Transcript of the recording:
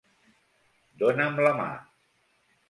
Dona'm la mà.